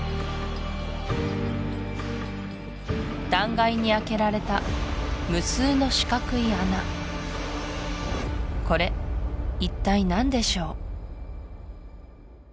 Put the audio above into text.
断崖にあけられた無数の四角い穴これ一体何でしょう？